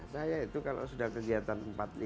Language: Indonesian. saya itu kalau sudah kegiatan empat lima